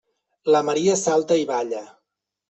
La Maria salta i balla.